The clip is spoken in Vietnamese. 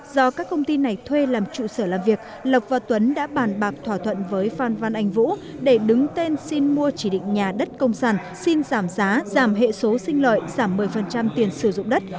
do các công ty này thuê làm trụ sở làm việc lộc và tuấn đã bàn bạc thỏa thuận với phan văn anh vũ để đứng tên xin mua chỉ định nhà đất công sản xin giảm giá giảm hệ số sinh lợi giảm một mươi tiền sử dụng đất